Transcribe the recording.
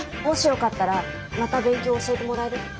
もしよかったらまた勉強教えてもらえる？